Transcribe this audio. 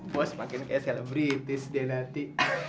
bos makin kayak selebritis deh nanti